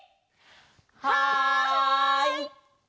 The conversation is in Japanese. はい！